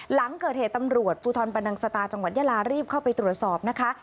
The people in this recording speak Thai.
หลังเกิดเหตุตำรวจภูทรบรนังสตาจังหวัดยาลารีบเข้าไปตรวจสอบนะคะ